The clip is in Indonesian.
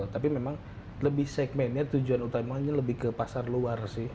tapi memang lebih segmennya tujuan utamanya lebih ke pasar luar sih